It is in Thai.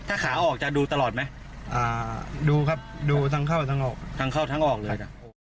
ถ้าขาออกจะดูตลอดไหมอ่าดูครับดูทั้งเข้าทั้งออกทั้งเข้าทั้งออกเลยจ้ะ